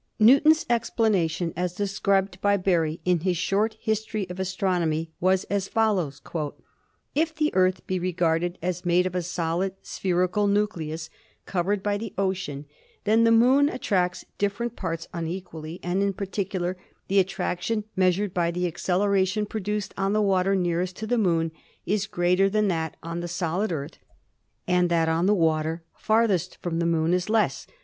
Newton's explanation, as described by Berry in his 'Short History of Astronomy/ was as follows: "If the Earth be regarded as made of a solid spherical nucleus, covered by the ocean, then the Moon attracts different parts unequally, and in particular the attraction, measured by the acceleration produced on the water nearest to the Moon, is greater than that on the solid Earth and that on the water farthest from the Moon is less.